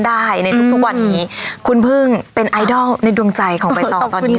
ได้ในทุกทุกวันนี้คุณพึ่งเป็นไอดอลในดวงใจของใบตองตอนนี้